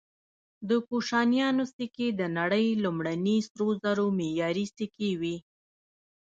د کوشانیانو سکې د نړۍ لومړني سرو زرو معیاري سکې وې